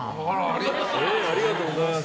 ありがとうございます。